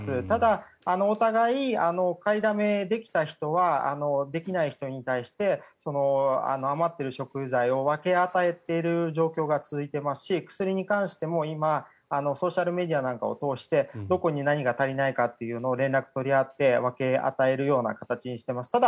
ただ、お互いに買いだめできた人はできない人に対して余っている食材を分け与えている状態が続いていますし薬に関しても今ソーシャルメディアなんかを通してどこに何が足りないか連絡を取り合って分け与えるような形にしています。